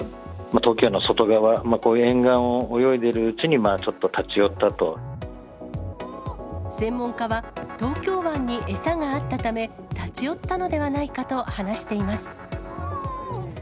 東京湾の外側、こういう沿岸を泳いでいるうちに、ちょっと立ち寄専門家は、東京湾に餌があったため、立ち寄ったのではないかと話しています。